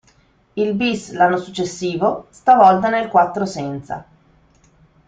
Il bis l'anno successivo, stavolta nel quattro senza.